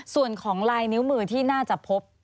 ส่วนของลายนิ้วมือที่น่าจะพบ